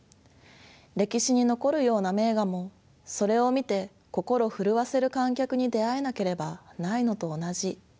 歴史に残るような名画もそれを見て心震わせる観客に出会えなければないのと同じ。